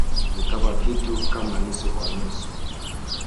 Ni kama kitu kama nusu kwa nusu